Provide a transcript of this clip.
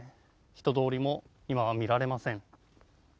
人通りも今は見られません。